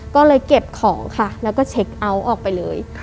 ก็เลยเก็บของค่ะแล้วก็เช็คเอาท์ออกไปเลย